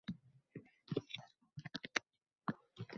Keng targ‘ib etsak bo’ladi.